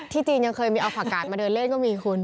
ที่จีนยังเคยมีอัลฟ่าการ์ดมาเดินเล่นก็มีคุณ